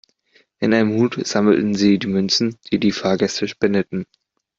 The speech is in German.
In einem Hut sammelten Sie die Münzen, die die Fahrgäste spendeten.